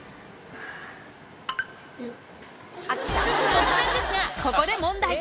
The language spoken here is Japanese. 突然ですがここで問題